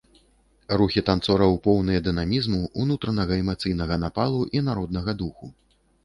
Рухі танцораў поўныя дынамізму, унутранага эмацыйнага напалу і народнага духу.